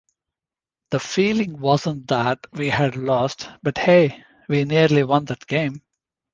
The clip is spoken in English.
The feeling wasn't that we had lost, but Hey, we nearly won that game!